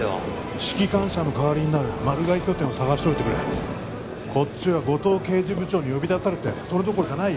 指揮官車の代わりになるマル害拠点を探しておいてくれこっちは五嶋刑事部長に呼び出されてそれどころじゃないよ